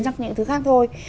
chắc những thứ khác thôi